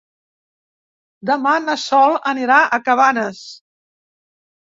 Demà na Sol anirà a Cabanes.